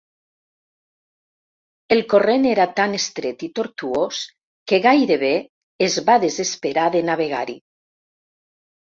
El corrent era tan estret i tortuós que gairebé es va desesperar de navegar-hi.